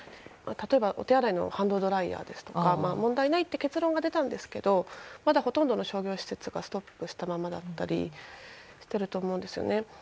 例えば、お手洗いのハンドドライヤーですとか問題ないと結論が出たんですけどまだほとんどの商業施設がストップしたままだったりしてると思うんですね。